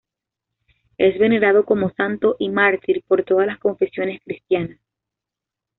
Es venerado como santo y mártir por todas las confesiones cristianas.